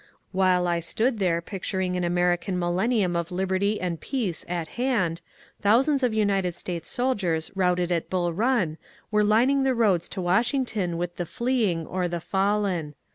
While I stood there picturing an American millennium of liberty and peace at hand, thousands of United States soldiers routed at Bull Run were lining the roads to Washington with the fleeing or the fallen.